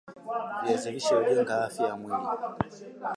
Namna ya kuwakinga wanyama dhidi ya ugonjwa wa ndorobo